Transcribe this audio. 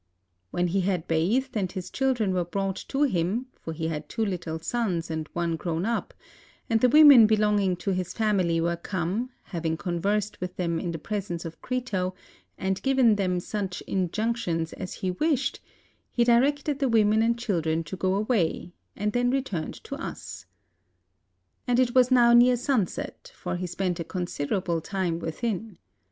When he had bathed and his children were brought to him, for he had two little sons and one grown up, and the women belonging to his family were come, having conversed with them in the presence of Crito, and given them such injunctions as he wished, he directed the women and children to go away, and then returned to us. And it was now near sunset; for he spent a consider able time within.